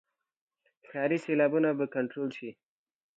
ښاري سیلابونه به کنټرول شي.